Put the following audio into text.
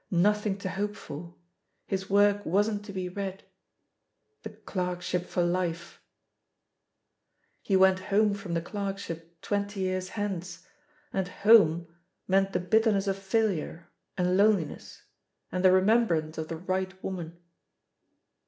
Nothing to hope for — ^his work wasn't to be read. The clerkship for life I ... He went home from the clerkship twenty years hence, and home" meant the bitterness of failure, and loneliness, and the remembrance of the right woman.